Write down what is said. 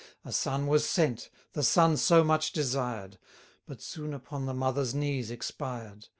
A son was sent, the son so much desired; But soon upon the mother's knees expired.